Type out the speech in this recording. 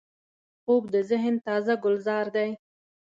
خوب د ذهن تازه ګلزار دی